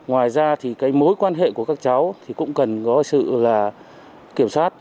ngoài ra thì cái mối quan hệ của các cháu thì cũng cần có sự kiểm soát